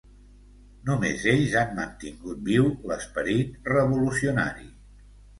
Només ells han mantingut viu l'esperit revolucionari.